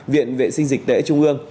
viện vệ sinh dịch tễ trung ương